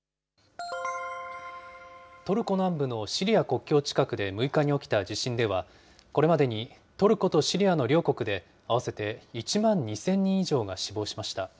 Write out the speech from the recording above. トルコ南部のシリア国境近くで６日に起きた地震では、これまでにトルコとシリアの両国で、合わせて１万２０００人以上が死亡しました。